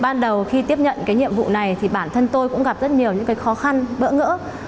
ban đầu khi tiếp nhận nhiệm vụ này bản thân tôi cũng gặp rất nhiều khó khăn bỡ ngỡ